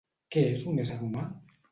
Què és un ésser humà?